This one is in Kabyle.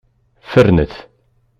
Fernet!